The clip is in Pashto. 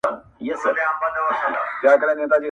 يوه اوازه خپرېږي چي نجلۍ له کلي بهر تللې ده,